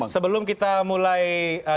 selamat malam bang